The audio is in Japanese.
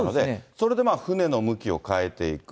それで船の向きを変えていく。